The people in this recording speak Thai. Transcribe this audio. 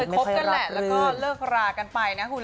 คบกันแหละแล้วก็เลิกรากันไปนะคุณ